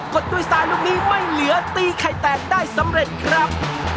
ดด้วยซ้ายลูกนี้ไม่เหลือตีไข่แตกได้สำเร็จครับ